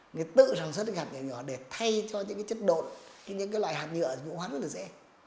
người tự sản xuất những hạt nhựa nhỏ để thay cho những chất độn những loại hạt nhựa vũ hoá rất là dễ